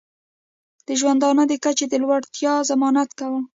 د ژوندانه د کچې د لوړتیا ضمانت کوي.